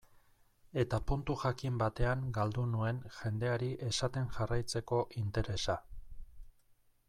Eta puntu jakin batean galdu nuen jendeari esaten jarraitzeko interesa.